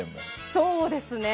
そうですね。